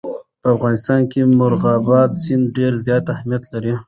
په افغانستان کې مورغاب سیند ډېر زیات اهمیت لري.